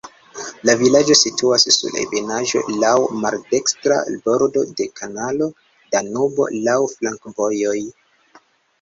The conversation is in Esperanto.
La vilaĝo situas sur ebenaĵo, laŭ maldekstra bordo de kanalo Danubo, laŭ flankovojoj.